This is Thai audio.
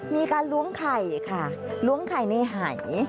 มีการล้วงไข่ค่ะล้วงไข่ในหาย